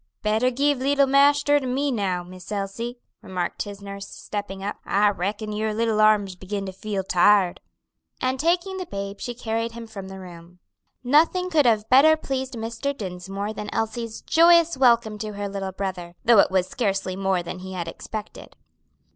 "Better give little marster to me now, Miss Elsie," remarked his nurse, stepping up, "I reckon your little arms begin to feel tired." And taking the babe she carried him from the room. Nothing could have better pleased Mr. Dinsmore than Elsie's joyous welcome to her little brother; though it was scarcely more than he had expected.